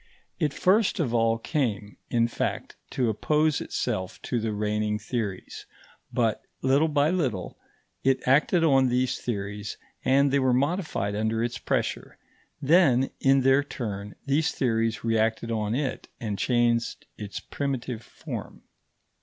It first of all came, in fact, to oppose itself to the reigning theories; but, little by little, it acted on these theories, and they were modified under its pressure; then, in their turn, these theories reacted on it and changed its primitive form.